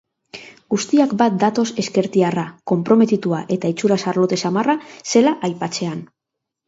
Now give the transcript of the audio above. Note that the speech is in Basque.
Guztiak bat datoz ezkertiarra, konprometitua eta itxuraz arlote samarra zela aipatzean.